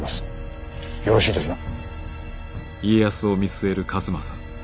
よろしいですな？